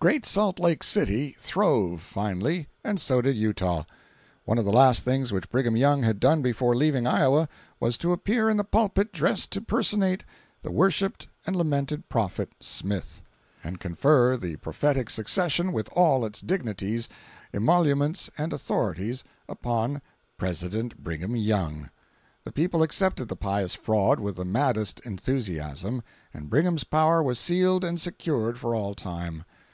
Great Salt Lake City throve finely, and so did Utah. One of the last things which Brigham Young had done before leaving Iowa, was to appear in the pulpit dressed to personate the worshipped and lamented prophet Smith, and confer the prophetic succession, with all its dignities, emoluments and authorities, upon "President Brigham Young!" The people accepted the pious fraud with the maddest enthusiasm, and Brigham's power was sealed and secured for all time.